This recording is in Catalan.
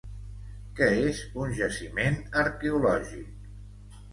Què és un jaciment arqueològic?